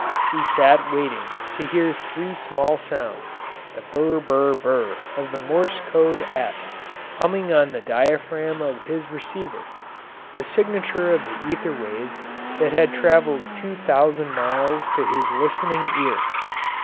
He sat waiting to hear three small sounds, the br br br of the Morse code "S," humming on the diaphragm of his receiver the signature of the ether waves that had travelled two thousand miles to his listening ear.